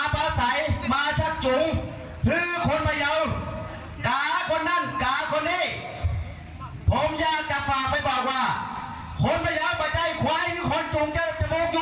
พบกับพวกเราในสภาพที่รักตูเหล่แบบนี้